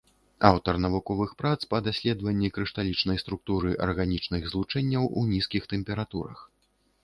Аўтар навуковых прац па даследаванні крышталічнай структуры арганічных злучэнняў у нізкіх тэмпературах.